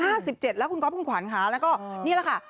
สิบเจ็ดแล้วคุณก๊อฟคุณขวัญค่ะแล้วก็นี่แหละค่ะ